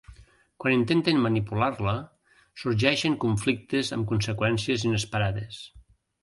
Quan intenten manipular-la sorgeixen conflictes amb conseqüències inesperades.